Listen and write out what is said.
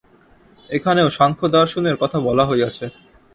এখানেও সাংখ্যদর্শনের কথা বলা হইয়াছে।